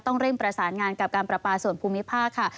ต้องเร่งประสานงานกับการประปาส่วนภูมิภาคค่ะ